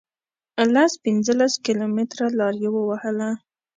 لس پنځلس کیلومتره لار یې ووهله.